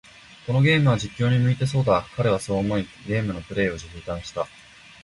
このゲームは、実況に向いてそうだ。彼はそう思い、ゲームのプレイを中断した。